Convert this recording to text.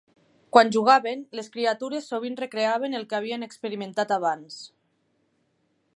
Quan jugaven, les criatures sovint recreaven el que havien experimentat abans.